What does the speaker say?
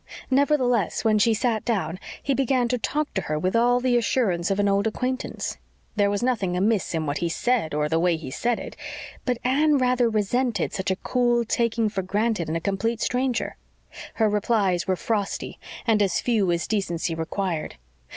Nevertheless, when she sat down, he began to talk to her with all the assurance of an old acquaintance. There was nothing amiss in what he said or the way he said it, but Anne rather resented such a cool taking for granted in a complete stranger. Her replies were frosty, and as few as decency required.